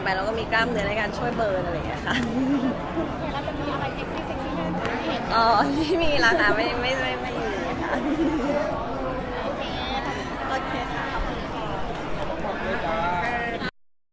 อ๋อไม่มีแล้วค่ะไม่ไม่ไม่ไม่มี